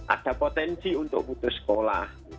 ada potensi untuk putus sekolah